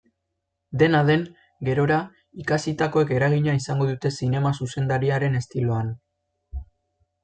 Dena den, gerora, ikasitakoek eragina izango dute zinema zuzendariaren estiloan.